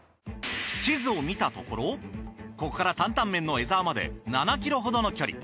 地図を見たところここからタンタンメンの江ざわまで７ｋｍほどの距離。